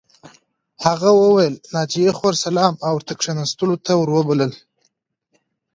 هغه وویل ناجیه خور سلام او ورته کښېناستلو ته ور وبلله